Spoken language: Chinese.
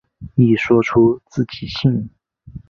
一说出自己姓。